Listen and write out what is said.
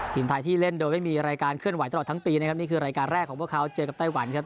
ทีมไทยที่เล่นโดยไม่มีรายการเคลื่อนไหวตลอดทั้งปีนะครับนี่คือรายการแรกของพวกเขาเจอกับไต้หวันครับ